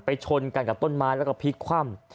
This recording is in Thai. ชนกันกับต้นไม้แล้วก็พลิกคว่ำ